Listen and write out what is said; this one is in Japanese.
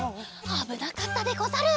あぶなかったでござる。